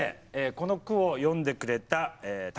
この句を詠んでくれた昴